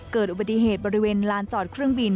เกิดอุบัติเหตุบริเวณลานจอดเครื่องบิน